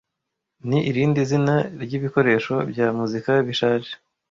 ni irindi zina ryibikoresho bya muzika bishaje